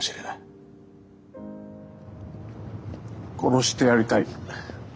殺してやりたい。